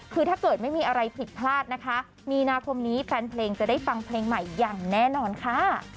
คือถ้าเกิดไม่มีอะไรผิดพลาดนะคะมีนาคมนี้แฟนเพลงจะได้ฟังเพลงใหม่อย่างแน่นอนค่ะ